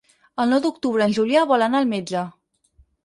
El nou d'octubre en Julià vol anar al metge.